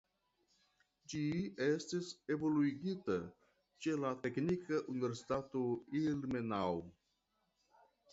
Ĝi estis evoluigita ĉe la Teknika Universitato Ilmenau.